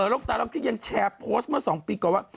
โลกตาล็อกกิ๊กยังแชร์โพสต์เมื่อ๒ปีก่อนว่า